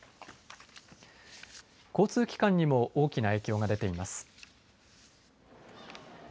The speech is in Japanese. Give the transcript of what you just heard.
交通機関にも大きな影響が出ています。